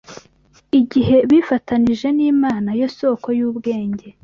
igihe bifatanije n’Imana yo Soko y’ubwenge